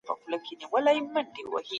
د نبي کریم سنت زموږ لپاره لارښود دی.